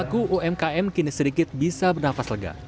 pelaku umkm kini sedikit bisa bernafas lega